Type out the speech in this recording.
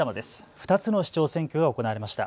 ２つの市長選挙が行われました。